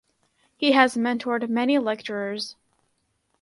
He has mentored many lecturers.